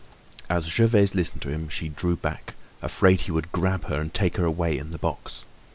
As Gervaise listened to him, she draw back, afraid he would grab her and take her away in the box.